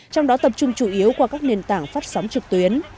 trong đó tập trung chủ yếu qua các nền tảng phát sóng trực tuyến